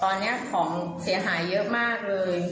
ตอนนี้ของเสียหายเยอะมากเลย